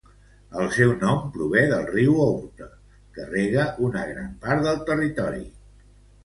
El seu nom prové del riu Ourthe que rega una gran part del territori.